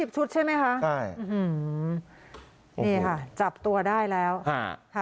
ชุดใช่ไหมคะใช่อืมนี่ค่ะจับตัวได้แล้วค่ะ